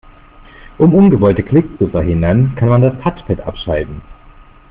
Um ungewollte Klicks zu verhindern, kann man das Touchpad abschalten.